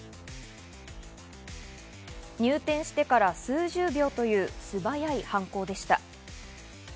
入店してから数十秒という素早い犯行でした。